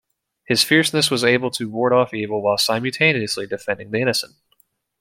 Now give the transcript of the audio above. His fierceness was able to ward off evil while simultaneously defending the innocent.